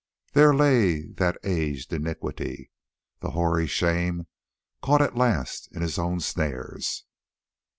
There lay that aged Iniquity, that hoary Shame caught at last in his own snares.